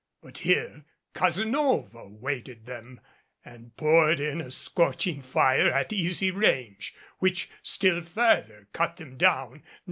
But here Cazenove awaited them and poured in a scorching fire at easy range which still further cut them down.